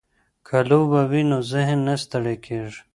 که لوبه وي نو ذهن نه ستړی کیږي.